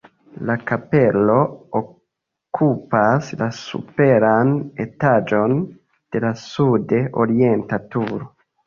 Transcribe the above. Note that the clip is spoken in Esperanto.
La kapelo okupas la superan etaĝon de la sud-orienta turo.